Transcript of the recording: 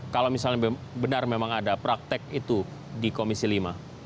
kalau misalnya benar memang ada praktek itu di komisi lima